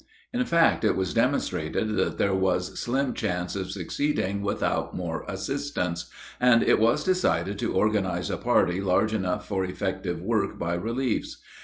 In fact, it was demonstrated that there was slim chance of succeeding without more assistance, and it was decided to organize a party large enough for effective work by reliefs.